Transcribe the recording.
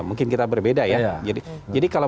mungkin kita berbeda ya jadi kalau